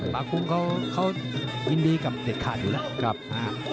ป่าคู่เขายินดีกับเด็ดขาดอยู่แล้ว